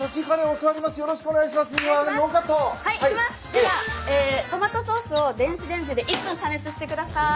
ではトマトソースを電子レンジで１分加熱してください。